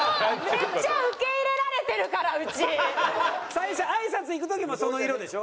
最初あいさつ行く時もその色でしょ？